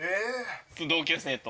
同級生と？